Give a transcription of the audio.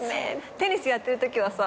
テニスやってるときはさ